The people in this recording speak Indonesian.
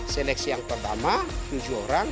seleksi yang pertama tujuh orang